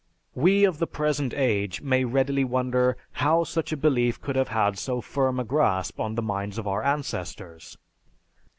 We of the present age may readily wonder how such a belief could have had so firm a grasp on the minds of our ancestors.